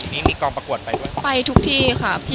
นี่มีกองประกวดไปด้วยไปทุกที่ค่ะ